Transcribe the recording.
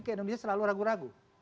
ke indonesia selalu ragu ragu